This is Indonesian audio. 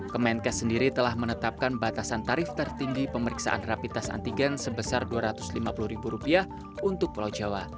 kemenkes sendiri telah menetapkan batasan tarif tertinggi pemeriksaan rapi tes antigen sebesar rp dua ratus lima puluh untuk pulau jawa